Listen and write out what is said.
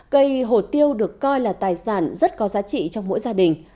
cây hồ tiêu được coi là tài sản rất có giá trị trong mỗi gia đình